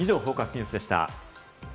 ニュースでした。